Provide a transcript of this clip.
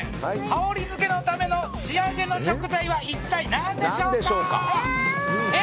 香りづけのための仕上げの食材は一体何でしょうか。